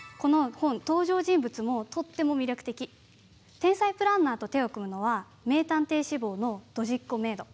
天才プランナーと手を組むのは名探偵志望のドジッ娘メイド。